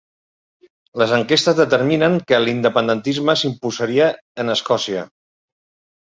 Les enquestes determinen que l'independentisme s'imposaria en Escòcia